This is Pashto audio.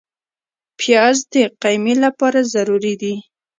پیاز د قیمې لپاره ضروري دی